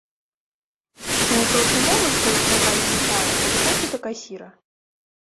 Знайшоўшы момант, калі чарга знікае, падыходжу да касіра.